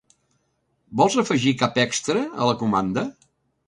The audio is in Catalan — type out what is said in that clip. Vols afegir cap extra a la comanda?